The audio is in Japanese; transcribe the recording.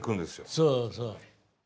そうそう。